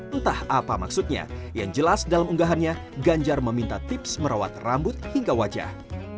entah apa maksudnya yang jelas dalam unggahannya ganjar meminta tips merawat rambut hingga wajah